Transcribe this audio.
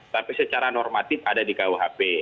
tapi secara normatif ada di kuhp